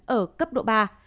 ở cấp độ ba